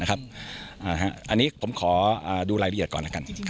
อันนี้ผมขอดูรายละเอียดก่อน